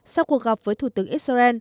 sau cuộc gặp với thủ tướng israel